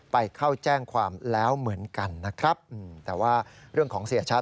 ไปเข้าแจ้งความแล้วเหมือนกันนะครับแต่ว่าเรื่องของเสียชัด